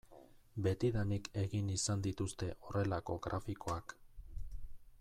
Betidanik egin izan dituzte horrelako grafikoak.